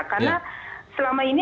karena selama ini